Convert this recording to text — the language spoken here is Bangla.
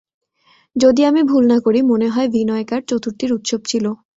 যদি আমি ভূল না করি, মনে হয় ভিনয়কার চতুর্থীর উৎসব ছিল।